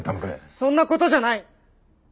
そんなことじゃない！